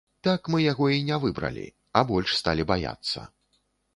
Так мы яго і не выбралі, а больш сталі баяцца.